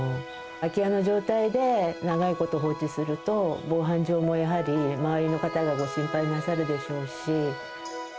空き家の状態で長いこと放置すると、防犯上もやはり、周りの方がご心配なさるでしょうし。